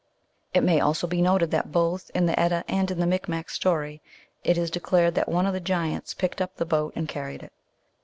It may also be noted that both in the Edda and in the Micmac story, it is declared that one of the giants picked up the boat and carried it.